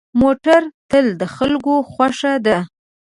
موټر تل د خلکو خوښه ده.